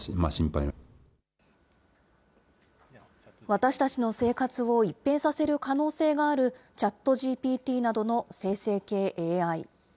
私たちの生活を一変させる可能性があるＣｈａｔＧＰＴなどの生成系ＡＩ。